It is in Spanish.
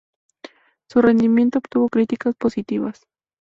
Su rendimiento obtuvo críticas positivas.